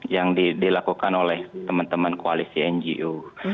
yang dilakukan oleh teman teman koalisi ngo